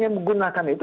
yang menggunakan itu